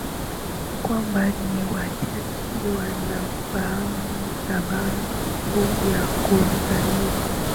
kwamba ni wachache wanafahamu sababu ya kuzaliwa